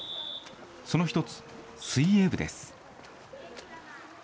その１つ、水泳部です。